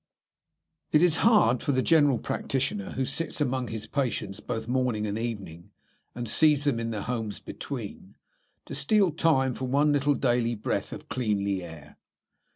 It is hard for the general practitioner who sits among his patients both morning and evening, and sees them in their homes between, to steal time for one little daily breath of cleanly air.